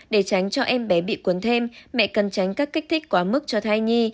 để tránh cho em bé bị cuốn thêm mẹ cần tránh các kích thích quá mức cho thai nhi